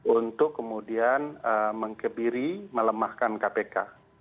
untuk kemudian mengkebiri melemahkan kpk